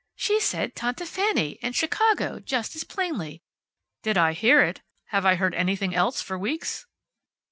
She said `Tante Fanny' and `Chicago' just as plainly!" "Did I hear it? Have I heard anything else for weeks?"